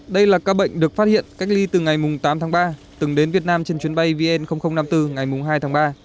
đây là ca bệnh được phát hiện cách ly từ ngày tám tháng ba từng đến việt nam trên chuyến bay vn năm mươi bốn ngày hai tháng ba